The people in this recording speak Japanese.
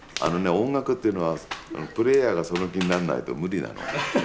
音楽っていうのはプレーヤーがその気にならないと無理なの。